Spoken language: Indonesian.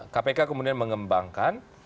kpk kemudian mengembangkan